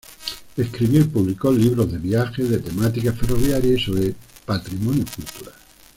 Escribió y publicó libros de viajes, de temática ferroviaria y sobre patrimonio cultural.